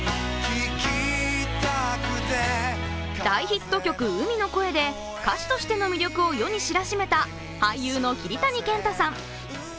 大ヒット曲、「海の声」で歌手としての魅力を世に知らしめた俳優の桐谷健太さん。